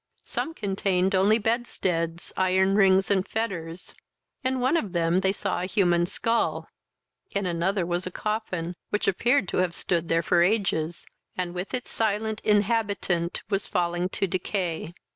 Some contained only bedsteads, iron rings, and fetters; in one of them they saw a human skull; in another was a coffin, which appeared to have stood there for ages, and with its silent inhabitant was falling to decay.